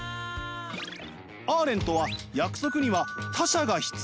アーレントは約束には他者が必要だといいました。